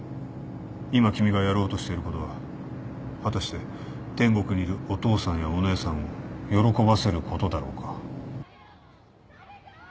今君がやろうとしていることは果たして天国にいるお父さんやお姉さんを喜ばせることだろうか。